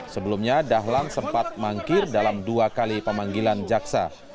sebelumnya dahlan sempat mangkir dalam dua kali pemanggilan jaksa